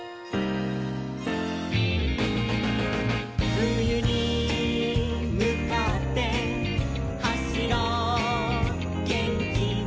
「ふゆにむかってはしろうげんきに」